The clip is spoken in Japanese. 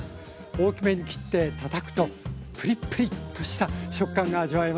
大きめに切ってたたくとプリプリッとした食感が味わえます。